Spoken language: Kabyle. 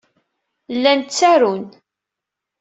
Llan ttarun.